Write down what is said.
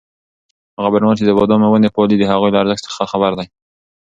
هغه بڼوال چې د بادامو ونې پالي د هغوی له ارزښت څخه خبر دی.